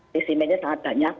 resimennya sangat banyak